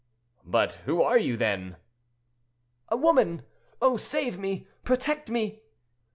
"But who are you, then?" "A woman. Oh, save me! protect me!"